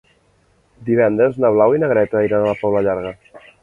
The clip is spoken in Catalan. Divendres na Blau i na Greta iran a la Pobla Llarga.